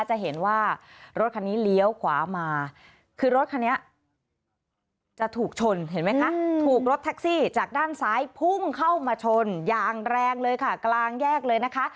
จะเห็นว่ารถคันนี้เลี้ยวขวามาคือรถคันนี้จะถูกชนเห็นไหมคะถูกรถแท็กซี่จากด้านซ้ายพุ่งเข้ามาชนอย่างแรงเลยค่ะกลางแยกเลยนะคะ